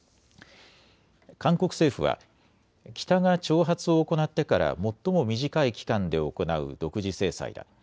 韓国政府は北が挑発を行ってから最も短い期間で行う独自制裁だ。